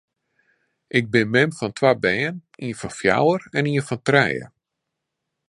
Ik bin mem fan twa bern, ien fan fjouwer en ien fan trije.